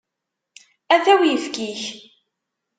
Ata uyefki-k.